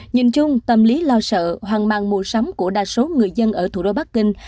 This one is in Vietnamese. nhìn chung tâm lý lo sợ hoang mang mua sắm của đa số người dân ở thủ đô bắc kinh